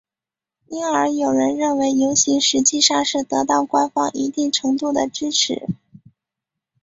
因而有人认为游行实际上是得到官方一定程度的支持。